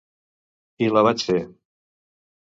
I la vaig fer.